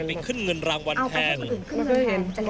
แต่มึงโดยแต่ก็ไม่รู้จัก